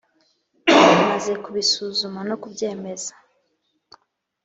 imaze kubisuzuma no kubyemeza